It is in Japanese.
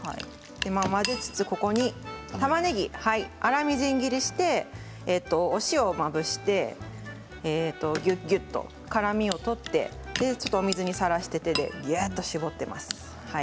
混ぜつつたまねぎ、粗みじん切りしてお塩をまぶしてきゅっきゅっと辛みを取ってちょっとお水にさらして手でぎゅっと絞ってます。